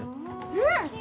うん！